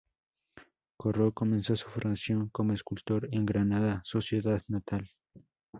Corro comenzó su formación como escultor en Granada, su ciudad natal.